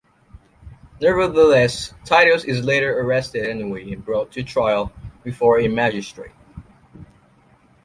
Nevertheless Titus is later arrested anyway, and brought to trial before a magistrate.